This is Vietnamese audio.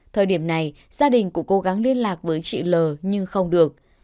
thời điểm này gia đình của cố gắng liên lạc với chị l nhưng không được